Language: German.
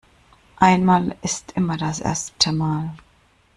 Einmal ist immer das erste Mal.